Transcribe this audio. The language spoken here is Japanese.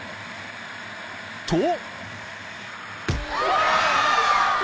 ［と］